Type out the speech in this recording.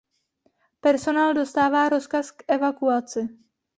Personál dostává rozkaz k evakuaci.